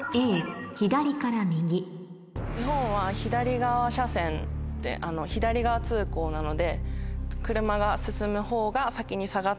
日本は左側車線で左側通行なので。